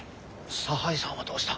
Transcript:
差配さんはどうした？